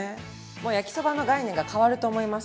焼きそばの概念が変わると思います。